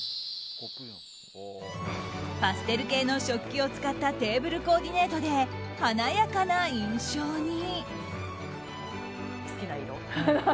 パステル系の食器を使ったテーブルコーディネートで華やかな印象に。